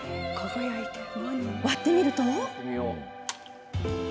割ってみると。